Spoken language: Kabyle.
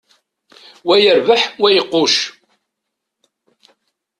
Wa yerbeḥ, wa iqucc.